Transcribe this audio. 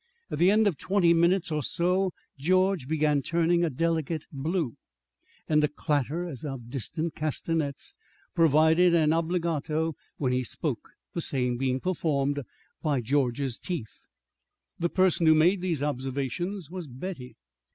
At the end of twenty minutes or so George began turning a delicate blue and a clatter as of distant castanets provided an obligato when he spoke, the same being performed by George's teeth. The person who made these observations was Betty.